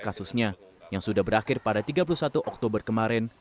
kasusnya yang sudah berakhir pada tiga puluh satu oktober kemarin